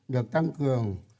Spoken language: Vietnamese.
được tăng cường